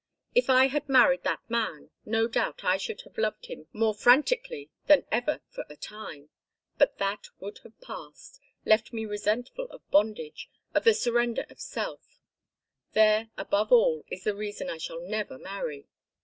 If I had married that man no doubt I should have loved him more frantically than ever for a time. But that would have passed, left me resentful of bondage, of the surrender of self. There, above all, is the reason I shall never marry.